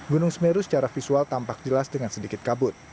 gunung semeru secara visual tampak jelas dengan sedikit kabut